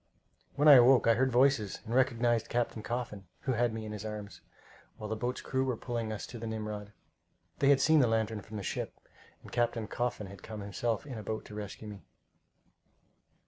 When I awoke I heard voices and recognized Captain Coffin, who had me in his arms, while the boat's crew were pulling us to the Nimrod. They had seen the lantern from the ship, and Captain Coffin had come himself in the boat to rescue me.